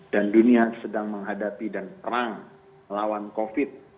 dan dunia sedang menghadapi dan terang melawan covid sembilan belas